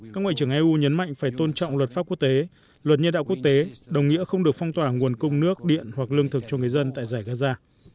các ngoại trưởng eu nhấn mạnh phải tôn trọng luật pháp quốc tế luật nhân đạo quốc tế đồng nghĩa không được phong tỏa nguồn cung nước điện hoặc lương thực cho người dân tại giải gaza